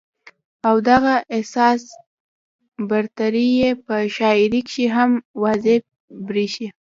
او دغه احساس برتري ئې پۀ شاعرۍ کښې هم واضحه برېښي